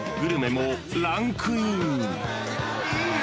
［もランクイン］